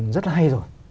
rất là hay rồi